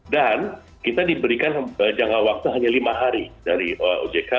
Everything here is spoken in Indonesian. dan kita diberikan jangka waktu hanya lima hari dari ojk